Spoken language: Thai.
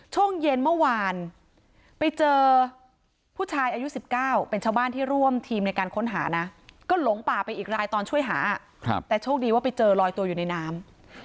ช่วงเย็นเมื่อวานไปเจอผู้ชายอายุ๑๙เป็นชาวบ้านที่ร่วมทีมในการค้นหานะก็หลงป่าไปอีกรายตอนช่วยหาแต่โชคดีว่าไปเจอลอยตัวอยู่ในน้ำ